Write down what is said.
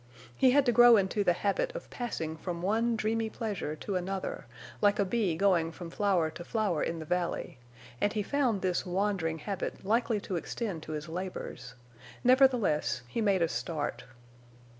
He had to grow into the habit of passing from one dreamy pleasure to another, like a bee going from flower to flower in the valley, and he found this wandering habit likely to extend to his labors. Nevertheless, he made a start.